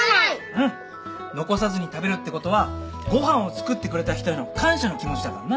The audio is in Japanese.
うん残さずに食べるってことはご飯を作ってくれた人への感謝の気持ちだからな。